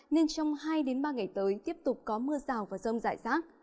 nên trong hai ba ngày tới tiếp tục có mưa rào và rông rải rác